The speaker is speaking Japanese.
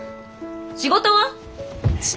仕事は？